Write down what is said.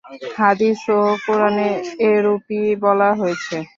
হাদীস ও কুরআনে এরূপই বলা হয়েছে।